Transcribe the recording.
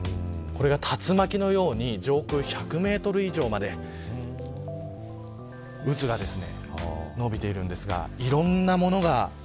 竜巻のように上空１００メートル以上まで渦が伸びているんですがいろんなものが。